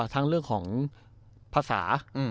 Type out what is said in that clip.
ทั้งเรื่องของภาษา